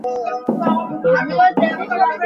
তার চেহারা ছিল বিস্ফোরণোন্মুখ।